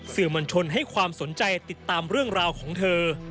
สื่อมวลชนให้ความสนใจติดตามเรื่องราวของเธอ